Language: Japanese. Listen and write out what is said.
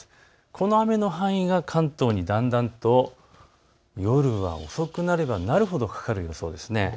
この雨の範囲が関東にだんだんと夜は遅くなればなるほどかかる予想です。